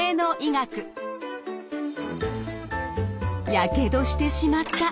やけどしてしまった。